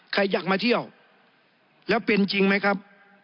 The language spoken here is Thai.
ใครอยากมาเที่ยวแล้วเป็นจริงไหมครับ